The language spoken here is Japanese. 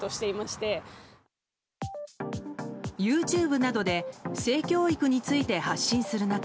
ＹｏｕＴｕｂｅなどで性教育について発信する中